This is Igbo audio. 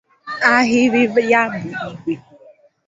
Ahiri ya bu igwẹ.